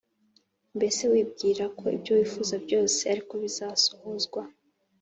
mbese wibwirako ibyo wifuza byose ariko bizasohozwa